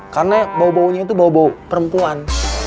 karena bau baunya itu bau bau perempuan